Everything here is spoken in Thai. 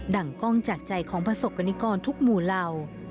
ั่งกล้องจากใจของประสบกรณิกรทุกหมู่เหล่า